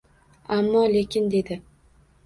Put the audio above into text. — Ammo-lekin! — dedi.